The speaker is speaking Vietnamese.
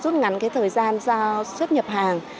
giúp ngắn cái thời gian cho xuất nhập hàng